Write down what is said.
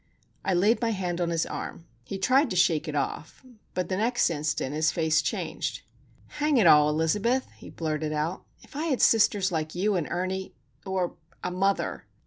I laid my hand on his arm. He tried to shake it off,—but the next instant his face changed. "Hang it all, Elizabeth!" he blurted out. "If I had sisters like you and Ernie,—or a mother!"